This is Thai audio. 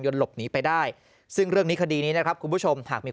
หลบหนีไปได้ซึ่งเรื่องนี้คดีนี้นะครับคุณผู้ชมหากมี